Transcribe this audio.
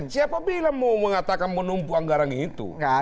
siapa bilang mau mengatakan menumpu anggaran itu